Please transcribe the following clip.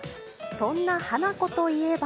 そんなハナコといえば。